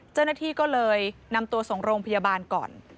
เจ้าหน้าที่ก็เลยนำตัวส่งโรงพยาบาลก่อน